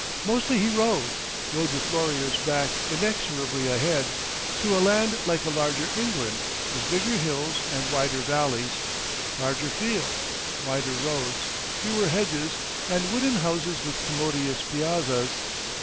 Mostly he rode, rode with Laurier's back inexorably ahead, through a land like a larger England, with bigger hills and wider valleys, larger fields, wider roads, fewer hedges, and wooden houses with commodious piazzas.